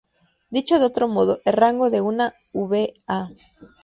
Dicho de otro modo, el rango de una v.a.